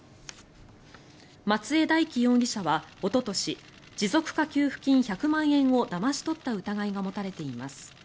松江大樹容疑者はおととし持続化給付金１００万円をだまし取った疑いが持たれています。